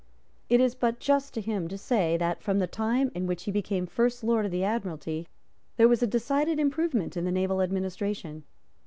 It is but just to him to say that, from the time at which he became First Lord of the Admiralty, there was a decided improvement in the naval administration.